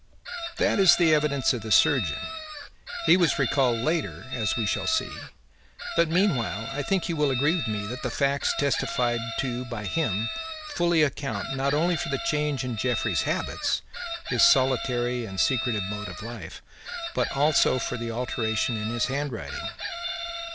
"That is the evidence of the surgeon. He was recalled later, as we shall see, but, meanwhile, I think you will agree with me that the facts testified to by him fully account, not only for the change in Jeffrey's habits his solitary and secretive mode of life but also for the alteration in his handwriting."